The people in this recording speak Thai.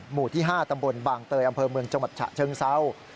หมู่ที่๕ตำบลบางเตยอำเภอเมืองจังหวัดฉะเชิงเศร้า